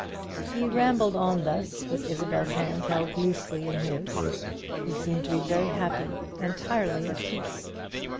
He rambled on thus, with Isabel's hand held loosely in his. He seemed to be very happy entirely at peace.